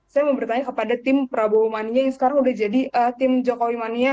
saya mau bertanya kepada tim prabowo mania yang sekarang udah jadi tim jokowi mania